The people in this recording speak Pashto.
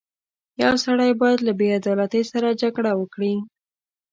• یو سړی باید له بېعدالتۍ سره جګړه وکړي.